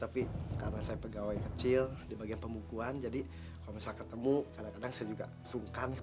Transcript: tapi karena saya pegawai kecil di bagian pemukuan jadi kalau misalnya ketemu kadang kadang saya juga sungkan